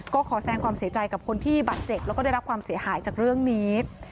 ก็ขอแสงความเสียใจกับคนที่บาดเจ็บแล้วก็ได้รับความเสียหายจากเรื่องนี้